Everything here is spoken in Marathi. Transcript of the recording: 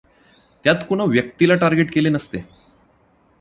त्यांत कुणा व्यक्तीला टार्गेट केले नसते.